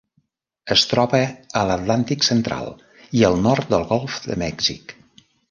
Es troba a l'Atlàntic central i al nord del Golf de Mèxic.